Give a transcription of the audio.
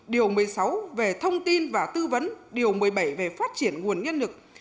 điều một mươi sáu về thông tin và tư vấn điều một mươi bảy về phát triển nguồn nhân lực